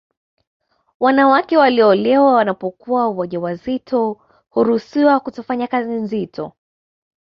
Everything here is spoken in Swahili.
Wanawake walioolewa wanapokuwa waja wazito huruhusiwa kutofanya kazi nzito